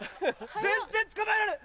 全然捕まえられない！